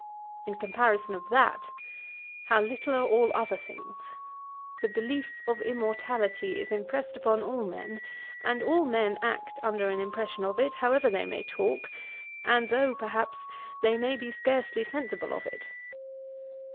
In comparison of that, how little are all other things! The belief of immortality is impressed upon all men, and all men act under an impression of it, however they may talk, and though, perhaps, they may be scarcely sensible of it.'